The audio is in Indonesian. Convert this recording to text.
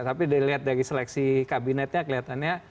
tapi dilihat dari seleksi kabinetnya kelihatannya